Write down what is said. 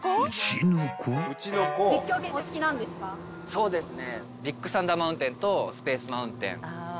そうですね。